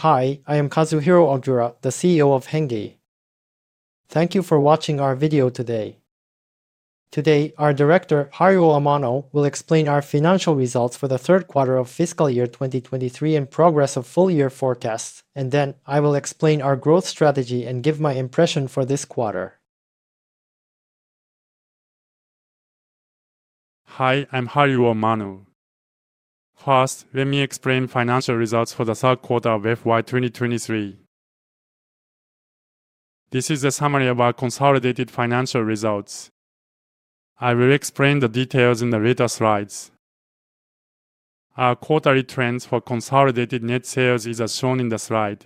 Hi, I am Kazuhiro Ogura, the CEO of HENNGE. Thank you for watching our video today. Today, our Director, Haruo Amano, will explain our financial results for the 3rd quarter of FY2023 and progress of full-year forecasts, and then I will explain our growth strategy and give my impression for this quarter. Hi, I'm Haruo Amano. First, let me explain financial results for the 3rd quarter of FY2023. This is a summary of our consolidated financial results. I will explain the details in the later slides. Our quarterly trends for consolidated net sales is as shown in the slide.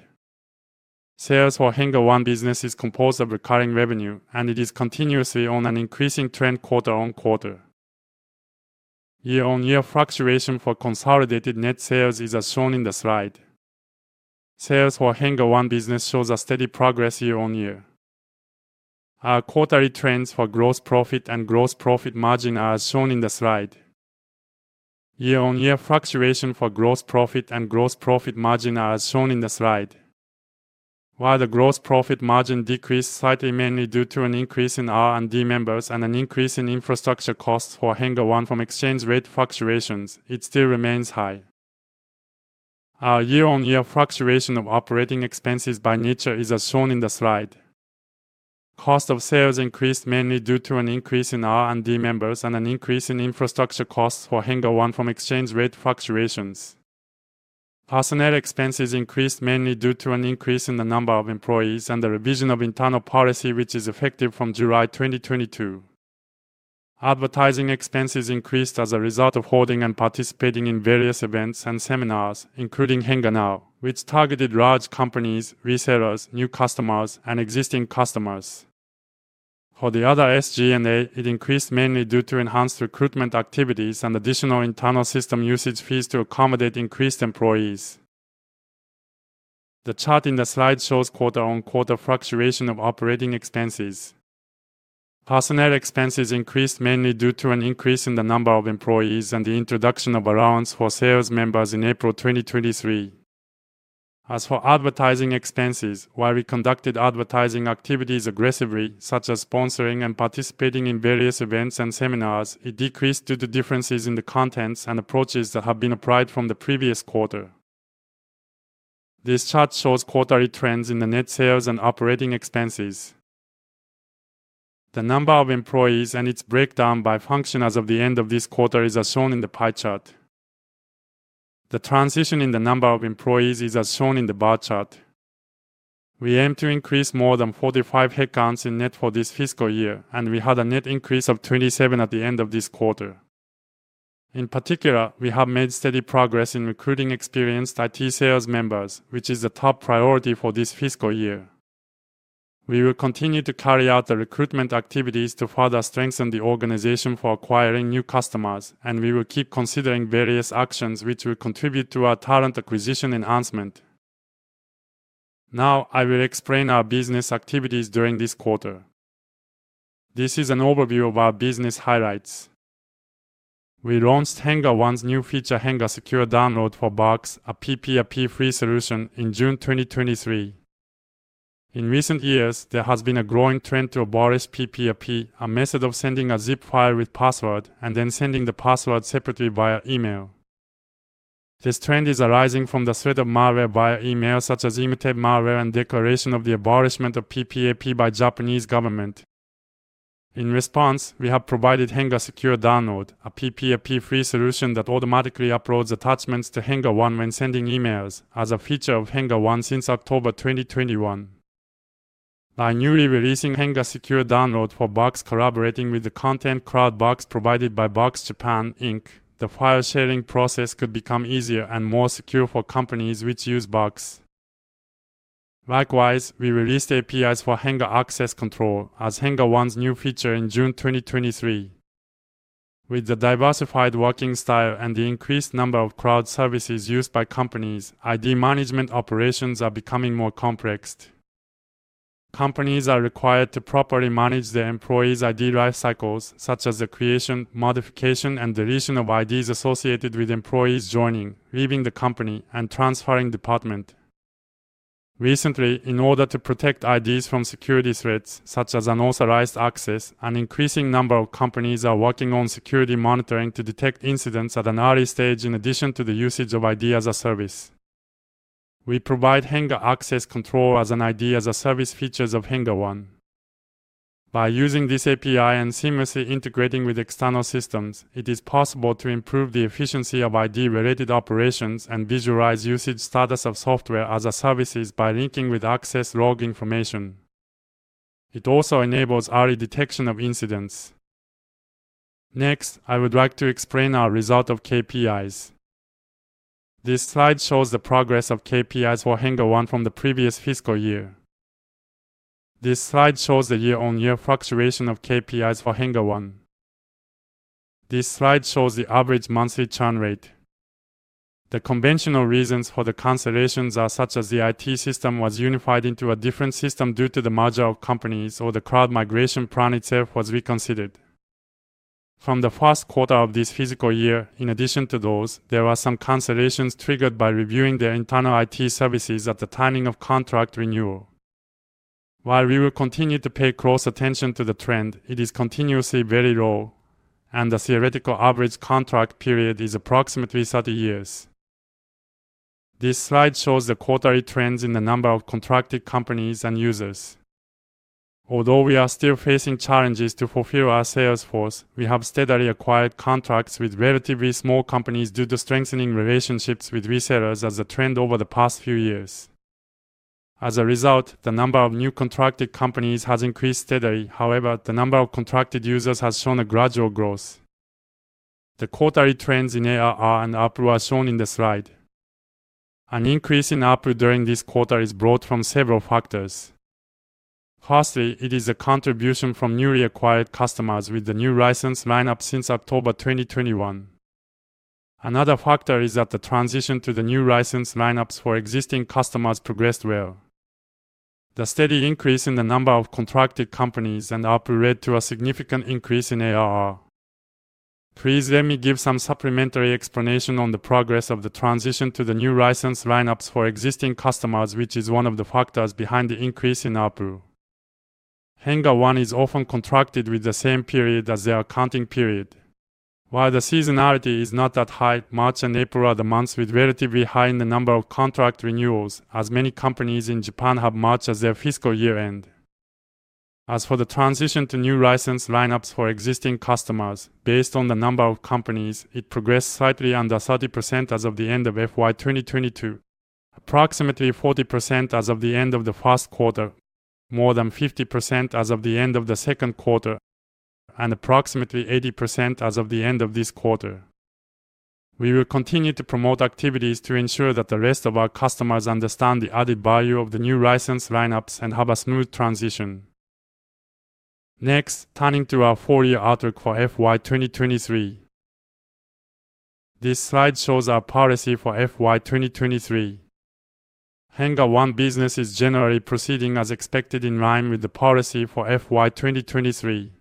Sales for HENNGE One business is composed of recurring revenue, and it is continuously on an increasing trend quarter-on-quarter. Year-on-year fluctuation for consolidated net sales is as shown in the slide. Sales for HENNGE One business shows a steady progress year-on-year. Our quarterly trends for gross profit and gross profit margin are as shown in the slide. Year-on-year fluctuation for gross profit and gross profit margin are as shown in the slide. While the gross profit margin decreased slightly, mainly due to an increase in R&D members and an increase in infrastructure costs for HENNGE One from exchange rate fluctuations, it still remains high. Our year-on-year fluctuation of operating expenses by nature is as shown in the slide. Cost of sales increased mainly due to an increase in R&D members and an increase in infrastructure costs for HENNGE One from exchange rate fluctuations. Personnel expenses increased mainly due to an increase in the number of employees and the revision of internal policy, which is effective from July 2022. Advertising expenses increased as a result of holding and participating in various events and seminars, including HENNGE Now, which targeted large companies, resellers, new customers, and existing customers. For the other SG&A, it increased mainly due to enhanced recruitment activities and additional internal system usage fees to accommodate increased employees. The chart in the slide shows quarter-on-quarter fluctuation of operating expenses. Personnel expenses increased mainly due to an increase in the number of employees and the introduction of allowance for sales members in April 2023. As for advertising expenses, while we conducted advertising activities aggressively, such as sponsoring and participating in various events and seminars, it decreased due to differences in the contents and approaches that have been applied from the previous quarter. This chart shows quarterly trends in the net sales and operating expenses. The number of employees and its breakdown by function as of the end of this quarter is as shown in the pie chart. The transition in the number of employees is as shown in the bar chart. We aim to increase more than 45 headcounts in net for this fiscal year, and we had a net increase of 27 at the end of this quarter. In particular, we have made steady progress in recruiting experienced IT sales members, which is a top priority for this fiscal year. We will continue to carry out the recruitment activities to further strengthen the organization for acquiring new customers, and we will keep considering various actions which will contribute to our talent acquisition enhancement. Now, I will explain our business activities during this quarter. This is an overview of our business highlights. We launched HENNGE One's new feature, HENNGE Secure Download for Box, a PPAP-free solution, in June 2023. In recent years, there has been a growing trend to abolish PPAP, a method of sending a zip file with password and then sending the password separately via email. This trend is arising from the threat of malware via email, such as Emotet malware and declaration of the abolishment of PPAP by Japanese government. In response, we have provided HENNGE Secure Download, a PPAP-free solution that automatically uploads attachments to HENNGE One when sending emails as a feature of HENNGE One since October 2021. By newly releasing HENNGE Secure Download for Box, collaborating with the content cloud Box, provided by Box Japan, Inc., the file-sharing process could become easier and more secure for companies which use Box. Likewise, we released APIs for HENNGE Access Control as HENNGE One's new feature in June 2023. With the diversified working style and the increased number of cloud services used by companies, ID management operations are becoming more complex. Companies are required to properly manage their employees' ID life cycles, such as the creation, modification, and deletion of IDs associated with employees joining, leaving the company, and transferring department. Recently, in order to protect IDs from security threats, such as unauthorized access, an increasing number of companies are working on security monitoring to detect incidents at an early stage, in addition to the usage of ID as a service. We provide HENNGE Access Control as an ID-as-a-service features of HENNGE One. By using this API and seamlessly integrating with external systems, it is possible to improve the efficiency of ID-related operations and visualize usage status of Software as a Service by linking with access log information. It also enables early detection of incidents. Next, I would like to explain our result of KPIs. This slide shows the progress of KPIs for HENNGE One from the previous fiscal year. This slide shows the year-on-year fluctuation of KPIs for HENNGE One. This slide shows the average monthly churn rate. The conventional reasons for the cancellations are such as the IT system was unified into a different system due to the merger of companies, or the cloud migration plan itself was reconsidered. From the Q1 of this fiscal year, in addition to those, there were some cancellations triggered by reviewing their internal IT services at the timing of contract renewal. While we will continue to pay close attention to the trend, it is continuously very low, and the theoretical average contract period is approximately 30 years. This slide shows the quarterly trends in the number of contracted companies and users. Although we are still facing challenges to fulfill our sales force, we have steadily acquired contracts with relatively small companies due to strengthening relationships with resellers as a trend over the past few years. As a result, the number of new contracted companies has increased steadily. However, the number of contracted users has shown a gradual growth. The quarterly trends in ARR and ARPU are shown in the slide. An increase in ARPU during this quarter is brought from several factors. Firstly, it is a contribution from newly acquired customers with the new license lineup since October 2021. Another factor is that the transition to the new license lineups for existing customers progressed well. The steady increase in the number of contracted companies and ARPU led to a significant increase in ARR. Please let me give some supplementary explanation on the progress of the transition to the new license lineups for existing customers, which is one of the factors behind the increase in ARPU. HENNGE One is often contracted with the same period as their accounting period. While the seasonality is not that high, March and April are the months with relatively high in the number of contract renewals, as many companies in Japan have March as their fiscal year end. As for the transition to new license lineups for existing customers, based on the number of companies, it progressed slightly under 30% as of the end of FY 2022, approximately 40% as of the end of the Q1, more than 50% as of the end of the Q2, and approximately 80% as of the end of this quarter. We will continue to promote activities to ensure that the rest of our customers understand the added value of the new license lineups and have a smooth transition. Next, turning to our full year outlook for FY 2023. This slide shows our policy for FY 2023. HENNGE One business is generally proceeding as expected in line with the policy for FY 2023.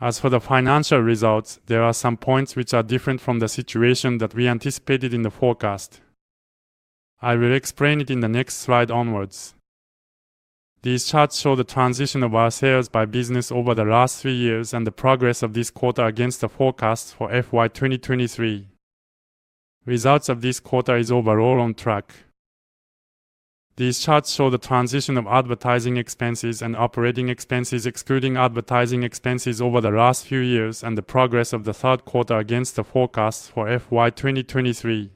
As for the financial results, there are some points which are different from the situation that we anticipated in the forecast. I will explain it in the next slide onwards. These charts show the transition of our sales by business over the last three years and the progress of this quarter against the forecast for FY 2023. Results of this quarter is overall on track. These charts show the transition of advertising expenses and operating expenses, excluding advertising expenses over the last few years, and the progress of the Q3 against the forecast for FY 2023.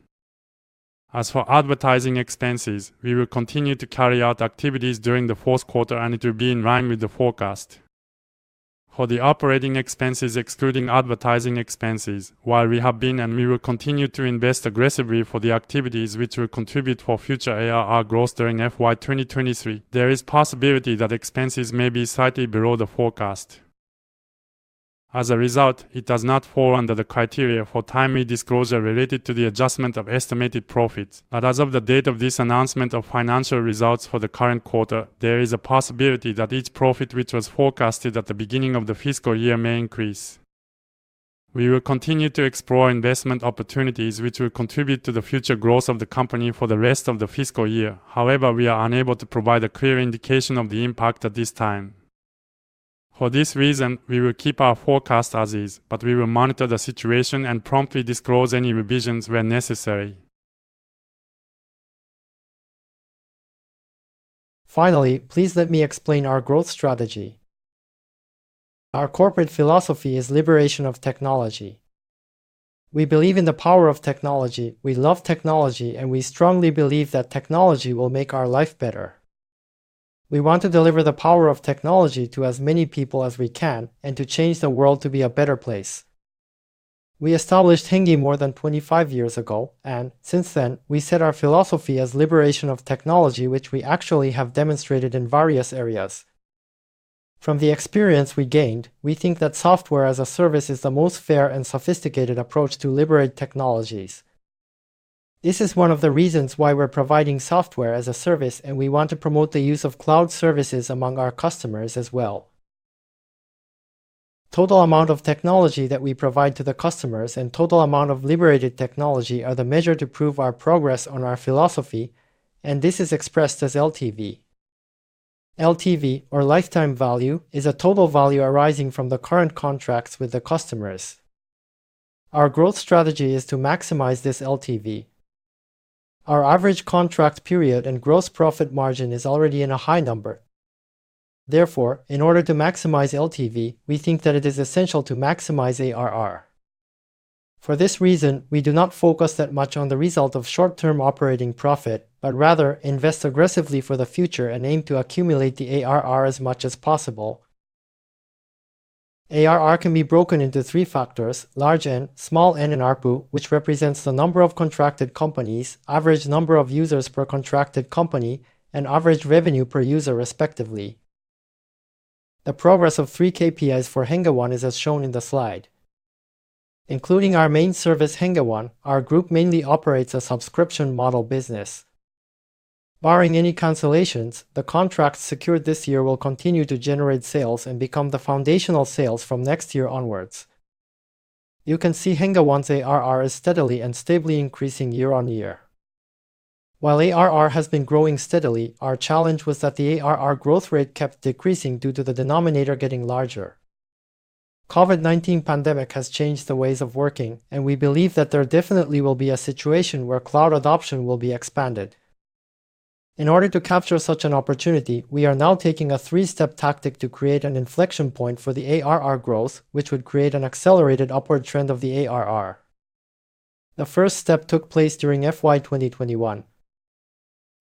As for advertising expenses, we will continue to carry out activities during the Q4, and it will be in line with the forecast. For the operating expenses, excluding advertising expenses, while we have been and we will continue to invest aggressively for the activities which will contribute for future ARR growth during FY 2023, there is possibility that expenses may be slightly below the forecast. As a result, it does not fall under the criteria for timely disclosure related to the adjustment of estimated profit. As of the date of this announcement of financial results for the current quarter, there is a possibility that each profit, which was forecasted at the beginning of the fiscal year, may increase. We will continue to explore investment opportunities which will contribute to the future growth of the company for the rest of the fiscal year. However, we are unable to provide a clear indication of the impact at this time. For this reason, we will keep our forecast as is, but we will monitor the situation and promptly disclose any revisions where necessary. Finally, please let me explain our growth strategy. Our corporate philosophy is liberation of technology. We believe in the power of technology, we love technology, and we strongly believe that technology will make our life better. We want to deliver the power of technology to as many people as we can and to change the world to be a better place. We established HENNGE more than 25 years ago, and since then, we set our philosophy as liberation of technology, which we actually have demonstrated in various areas. From the experience we gained, we think that software as a service is the most fair and sophisticated approach to liberate technologies. This is one of the reasons why we're providing software as a service, and we want to promote the use of cloud services among our customers as well. Total amount of technology that we provide to the customers and total amount of liberated technology are the measure to prove our progress on our philosophy, and this is expressed as LTV. LTV, or lifetime value, is a total value arising from the current contracts with the customers. Our growth strategy is to maximize this LTV. Our average contract period and gross profit margin is already in a high number. Therefore, in order to maximize LTV, we think that it is essential to maximize ARR. For this reason, we do not focus that much on the result of short-term operating profit, but rather invest aggressively for the future and aim to accumulate the ARR as much as possible. ARR can be broken into three factors: large N, small n, and ARPU, which represents the number of contracted companies, average number of users per contracted company, and average revenue per user, respectively. The progress of three KPIs for HENNGE One is as shown in the slide. Including our main service, HENNGE One, our group mainly operates a subscription model business. Barring any cancellations, the contracts secured this year will continue to generate sales and become the foundational sales from next year onwards. You can see HENNGE One's ARR is steadily and stably increasing year-on-year. While ARR has been growing steadily, our challenge was that the ARR growth rate kept decreasing due to the denominator getting larger. COVID-19 pandemic has changed the ways of working, and we believe that there definitely will be a situation where cloud adoption will be expanded. In order to capture such an opportunity, we are now taking a 3-step tactic to create an inflection point for the ARR growth, which would create an accelerated upward trend of the ARR. The first step took place during FY 2021.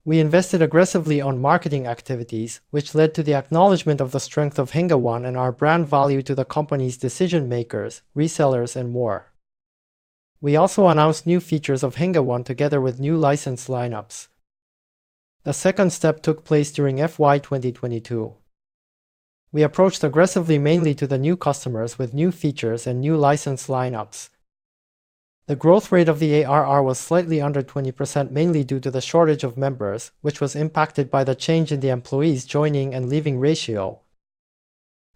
We invested aggressively on marketing activities, which led to the acknowledgment of the strength of HENNGE One and our brand value to the company's decision-makers, resellers, and more. We also announced new features of HENNGE One together with new license lineups. The second step took place during FY 2022. We approached aggressively mainly to the new customers with new features and new license lineups. The growth rate of the ARR was slightly under 20%, mainly due to the shortage of members, which was impacted by the change in the employees' joining and leaving ratio.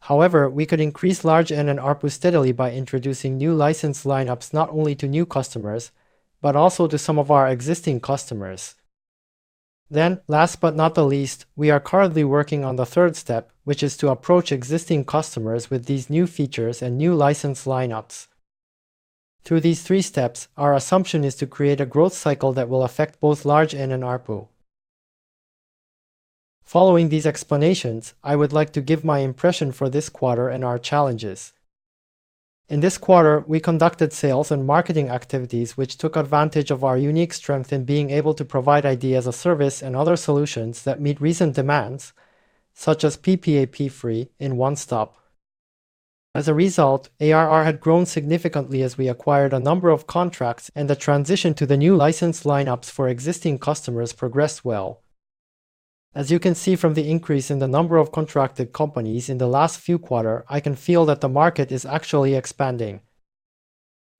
We could increase Large N and ARPU steadily by introducing new license lineups not only to new customers, but also to some of our existing customers. Last but not the least, we are currently working on the third step, which is to approach existing customers with these new features and new license lineups. Through these three steps, our assumption is to create a growth cycle that will affect both Large N and ARPU. Following these explanations, I would like to give my impression for this quarter and our challenges. In this quarter, we conducted sales and marketing activities, which took advantage of our unique strength in being able to provide ID as a service and other solutions that meet recent demands, such as PPAP free in one stop. As a result, ARR had grown significantly as we acquired a number of contracts, and the transition to the new license lineups for existing customers progressed well. As you can see from the increase in the number of contracted companies in the last few quarter, I can feel that the market is actually expanding.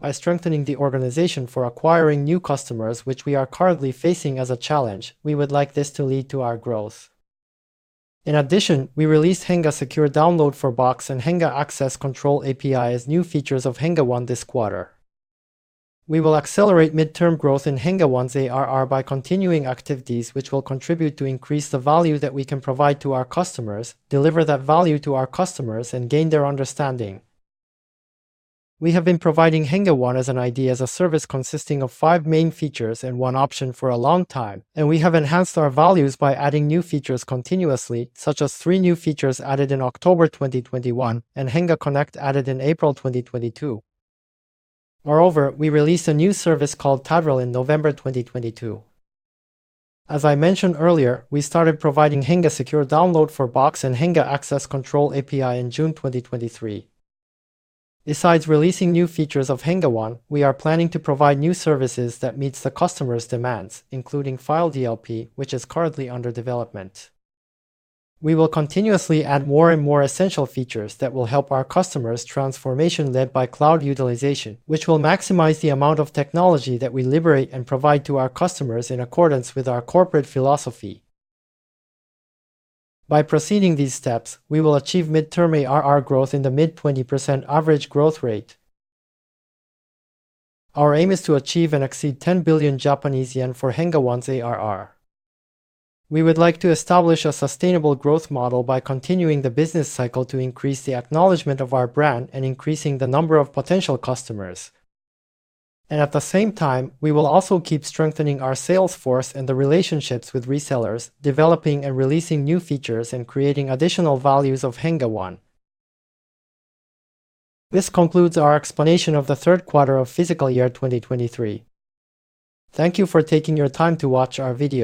By strengthening the organization for acquiring new customers, which we are currently facing as a challenge, we would like this to lead to our growth. In addition, we released HENNGE Secure Download for Box and HENNGE Access Control API as new features of HENNGE One this quarter. We will accelerate midterm growth in HENNGE One's ARR by continuing activities, which will contribute to increase the value that we can provide to our customers, deliver that value to our customers, and gain their understanding. We have been providing HENNGE One as an IDaaS consisting of five main features and one option for a long time, and we have enhanced our values by adding new features continuously, such as three new features added in October 2021 and HENNGE Connect added in April 2022. Moreover, we released a new service called tadrill in November 2022. As I mentioned earlier, we started providing HENNGE Secure Download for Box and HENNGE Access Control API in June 2023. Besides releasing new features of HENNGE One, we are planning to provide new services that meets the customer's demands, including File DLP, which is currently under development. We will continuously add more and more essential features that will help our customers' transformation led by cloud utilization, which will maximize the amount of technology that we liberate and provide to our customers in accordance with our corporate philosophy. By proceeding these steps, we will achieve midterm ARR growth in the mid-20% average growth rate. Our aim is to achieve and exceed 10 billion Japanese yen for HENNGE One's ARR. We would like to establish a sustainable growth model by continuing the business cycle to increase the acknowledgment of our brand and increasing the number of potential customers. At the same time, we will also keep strengthening our sales force and the relationships with resellers, developing and releasing new features, and creating additional values of HENNGE One. This concludes our explanation of the Q3 of FY 2023. Thank you for taking your time to watch our video.